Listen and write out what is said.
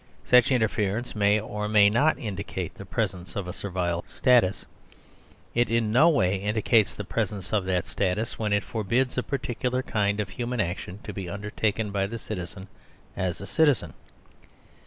Such interference may or may not indicate the presence of a Servile status. It in no way indi cates the presence of that status when it forbids a particular kind of human action to be undertaken by the citizen as a citizen.